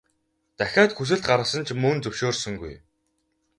Дахиад хүсэлт гаргасан ч мөн л зөвшөөрсөнгүй.